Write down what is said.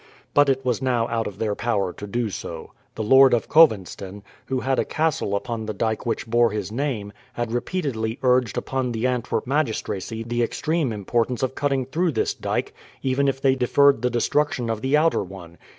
But it was now out of their power to do so. The Lord of Kowenstyn, who had a castle on the dyke which bore his name, had repeatedly urged upon the Antwerp magistracy the extreme importance of cutting through this dyke, even if they deferred the destruction of the outer one.